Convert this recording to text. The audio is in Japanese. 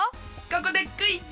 ここでクイズ！